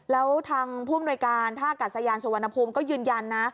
แล้วทางผู้อำนวยการท่ากัดสยานสุวรรณภูมิก็ยืนยันนะ